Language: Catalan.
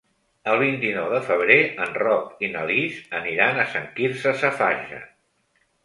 El vint-i-nou de febrer en Roc i na Lis aniran a Sant Quirze Safaja.